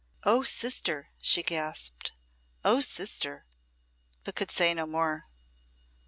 "Oh sister!" she gasped; "oh sister!" but could say no more.